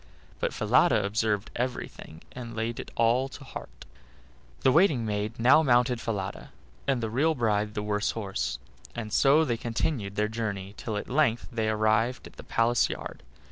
But Falada observed everything, and laid it all to heart. The waiting maid now mounted Falada, and the real bride the worse horse, and so they continued their journey till at length they arrived at the palace yard.